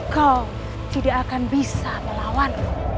kau tidak akan bisa melawanku